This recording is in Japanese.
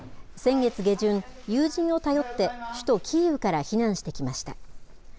先月下旬、友人を頼って首都キーウから避難してきました。